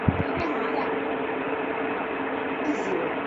它们上身的颜色由瑞典至西伯利亚逐渐变冷色系。